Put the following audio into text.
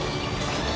ああ‼